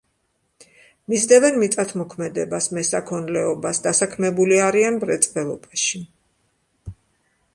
მისდევენ მიწათმოქმედებას, მესაქონლეობას, დასაქმებული არიან მრეწველობაში.